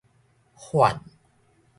返